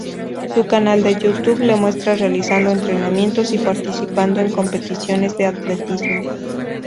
Su canal de Youtube le muestra realizando entrenamientos y participando en competiciones de atletismo.